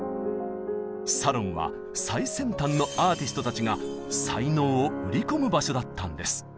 サロンは最先端のアーティストたちが才能を売り込む場所だったんです。